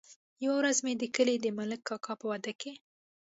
يوه ورځ مې د کلي د ملک کاکا په واده کې.